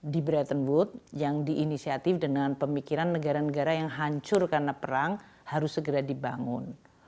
di bratton wood yang diinisiatif dengan pemikiran negara negara yang hancur karena perang harus segera dibangun